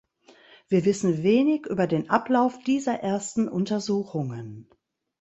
Wir wissen wenig über den Ablauf dieser ersten Untersuchungen.